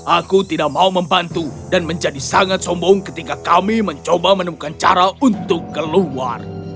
aku tidak mau membantu dan menjadi sangat sombong ketika kami mencoba menemukan cara untuk keluar